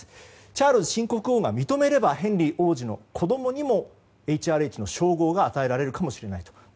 チャールズ新国王が認めればヘンリー王子の子供にもＨＲＨの称号が与えられるかもしれないと。